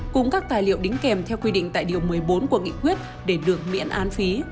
cùng các tài liệu đính kèm theo quy định tại điều một mươi bốn của nghị quyết để được miễn án phí